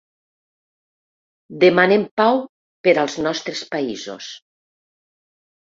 Demanem pau per als nostres països.